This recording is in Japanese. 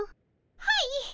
はい。